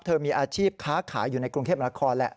มีอาชีพค้าขายอยู่ในกรุงเทพนครแหละ